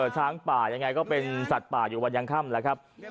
ช้างป่ายังไงก็เป็นสัตว์ป่าอยู่วันยังค่ำแล้วครับ